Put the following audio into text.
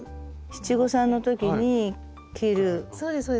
七五三の時に着る。